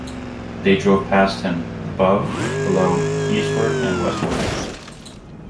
They drove past him, above, below, eastward and westward.